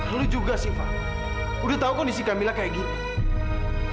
lu juga sih fad udah tahu kondisi camilla kayak gini